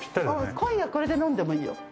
今夜これで飲んでもいいよ。